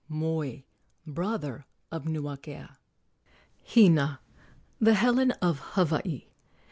Moi, brother of Nuakea. HINA, THE HELEN OF HAWAII.